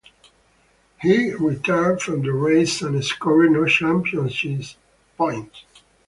He retired from the race and scored no championship points.